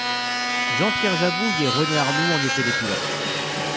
Jean-Pierre Jabouille et René Arnoux en étaient les pilotes.